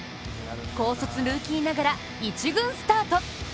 高卒ルーキーながら１軍スタート。